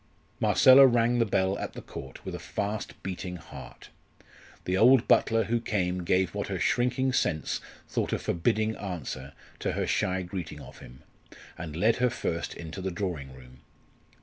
Marcella rang the bell at the Court with a fast beating heart. The old butler who came gave what her shrinking sense thought a forbidding answer to her shy greeting of him, and led her first into the drawing room.